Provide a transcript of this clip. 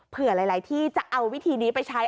หลายที่จะเอาวิธีนี้ไปใช้